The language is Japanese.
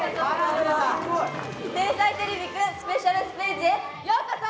「天才てれびくんスペシャルステージ」へようこそ！